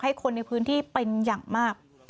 คนในพื้นที่เป็นอย่างมาก